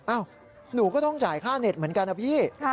หนูก็ต้องจ่ายค่าเน็ตเหมือนกันนะพี่